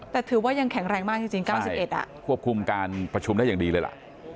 แต่ถือว่ายังแข็งแรงมากจริง๙๑ควบคุมการประชุมได้อย่างดีเลยล่ะ